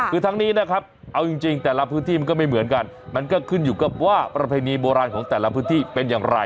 คือทั้งนี้นะครับเอาจริงแต่ละพื้นที่มันก็ไม่เหมือนกันมันก็ขึ้นอยู่กับว่าประเพณีโบราณของแต่ละพื้นที่เป็นอย่างไร